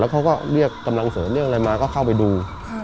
เขาก็เรียกกำลังเสริมเรียกอะไรมาก็เข้าไปดู